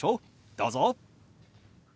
どうぞ。